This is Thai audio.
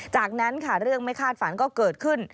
จากนั้นค่ะเรื่องไม่คาดฝันก็เกิดขึ้น